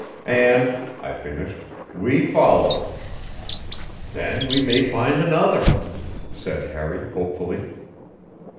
"And," I finished, "we followed it." "Then we may find another," said Harry hopefully.